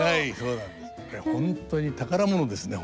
これ本当に宝物ですね